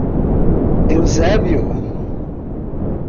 Eusébio